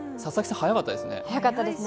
早かったですね。